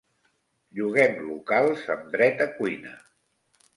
Lloguem locals amb dret a cuina.